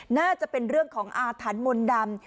น่าจะเป็นเรื่องของอาถรรพ์มนต์ดำ